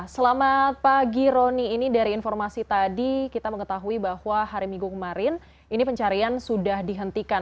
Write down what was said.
selamat pagi roni ini dari informasi tadi kita mengetahui bahwa hari minggu kemarin ini pencarian sudah dihentikan